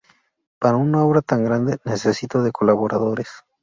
Para una obra tan grande, necesitó de colaboradores.